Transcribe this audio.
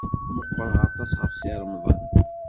Meqqreɣ aṭas ɣef Si Remḍan.